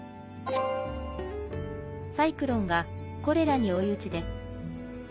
サイクロンがコレラに追い打ちです。